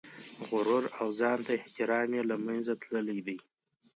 غرور او ځان ته احترام یې له منځه تللي دي.